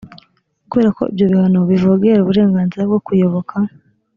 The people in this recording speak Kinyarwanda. kubera ko ibyo bihano bivogera uburenganzira bwo kuyoboka